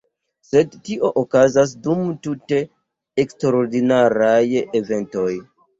Sed tio okazas dum tute eksterordinaraj eventoj.